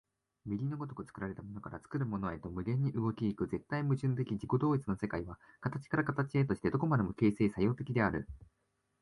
右の如く作られたものから作るものへと無限に動き行く絶対矛盾的自己同一の世界は、形から形へとして何処までも形成作用的である。